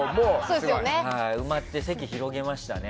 埋まって、席広げましたね。